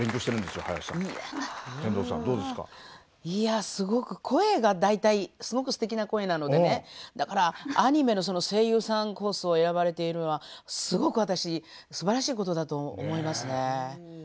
いやすごく声が大体すごくすてきな声なのでねだからアニメの声優さんコースを選ばれているのはすごく私すばらしいことだと思いますね。